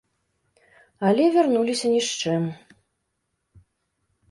Але вярнуліся ні з чым.